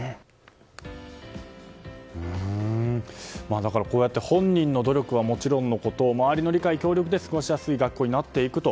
だから、こうやって本人の努力はもちろんのこと周りの理解、協力で過ごしやすい学校になっていくと。